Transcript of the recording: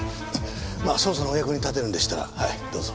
まあ捜査のお役に立てるんでしたらはいどうぞ。